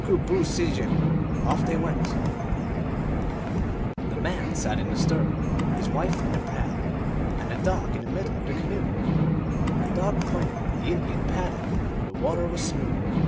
373 The man sat in the stern, his wife in the prow, and the clog in the middle of the canoe. The dog pointed, the Indian paddled, the water was smooth.